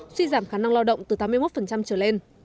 suy giảm khả năng lao động từ tám mươi một trở lên